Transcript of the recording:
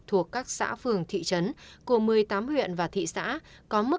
thuộc các xã phường thị trấn của một mươi tám huyện và thị xã